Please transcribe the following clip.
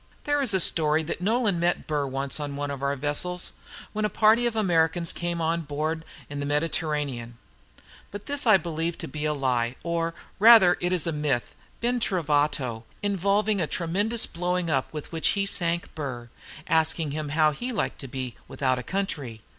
There is a story that Nolan met Burr once on one of our vessels, when a party of Americans came on board in the Mediterranean. But this I believe to be a lie; or, rather, it is a myth, ben trovato, involving a tremendous blowing up with which he sunk Burr, asking him how he liked to be "without a country."